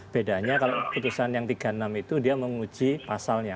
bedanya kalau putusan yang tiga puluh enam itu dia menguji pasalnya